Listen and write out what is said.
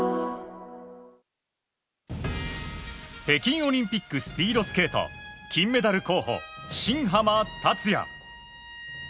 北京オリンピックスピードスケート金メダル候補、新濱立也。